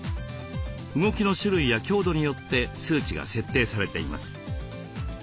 動きの種類や強度によって数値が設定されています。